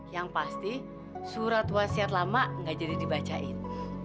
yang pasti surat wasiat lama gak jadi dibacain